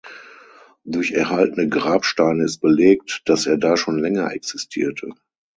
Durch erhaltene Grabsteine ist belegt, dass er da schon länger existierte.